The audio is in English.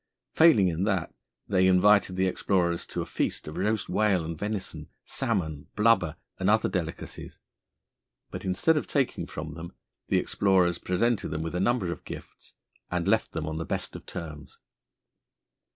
Failing in that, they invited the explorers to a feast of roast whale and venison, salmon, blubber, and other delicacies; but instead of taking from them, the explorers presented them with a number of gifts, and left them on the best of terms.